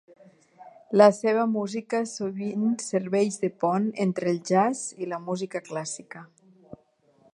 La seva música sovint serveix de pont entre el jazz i la música clàssica.